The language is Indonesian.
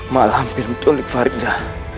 malah lampir menculik farida